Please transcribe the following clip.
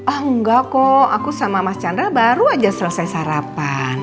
ah enggak kok aku sama mas chandra baru aja selesai sarapan